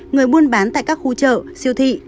người buôn bán tại các khu chợ siêu thị